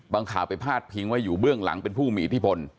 ข่าวไปพาดพิงว่าอยู่เบื้องหลังเป็นผู้มีอิทธิพล